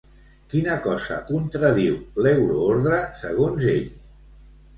Quina cosa contradiu l'euroordre segons ell?